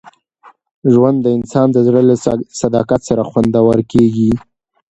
ژوند د انسان د زړه له صداقت سره خوندور کېږي.